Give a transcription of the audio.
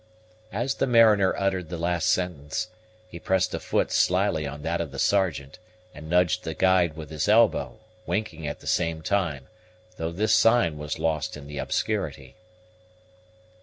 As the mariner uttered the last sentence, he pressed a foot slily on that of the Sergeant, and nudged the guide with his elbow, winking at the same time, though this sign was lost in the obscurity.